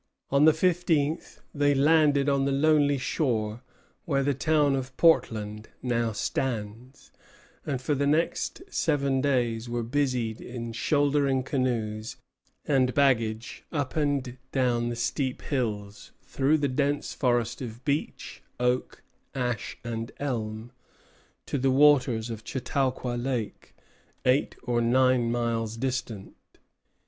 On the fifteenth they landed on the lonely shore where the town of Portland now stands; and for the next seven days were busied in shouldering canoes and baggage up and down the steep hills, through the dense forest of beech, oak, ash, and elm, to the waters of Chautauqua Lake, eight or nine miles distant.